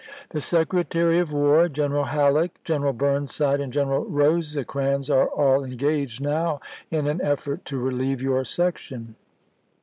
The Secre tary of War, General Halleck, General Burnside, to^MeSSig ^^^ General Rosecrans are all engaged now in an Mo^ow, effort to relieve your section.